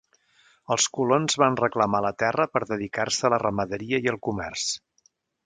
Els colons van reclamar la terra per dedicar-se a la ramaderia i el comerç.